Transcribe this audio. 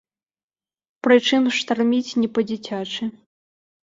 Прычым штарміць не па-дзіцячы.